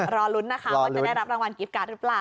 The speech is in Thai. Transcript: รอลุ้นนะคะว่าจะได้รับรางวัลกิฟต์การ์ดหรือเปล่า